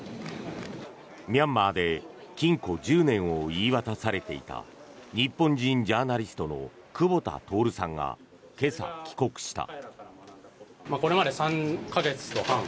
ミャンマーで禁錮１０年を言い渡されていた日本人ジャーナリストの久保田徹さんが今朝、帰国した。